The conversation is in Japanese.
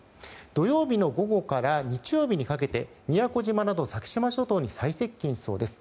土曜日の午後から日曜日にかけて宮古島など先島諸島に最接近しそうです。